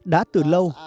đã từ lâu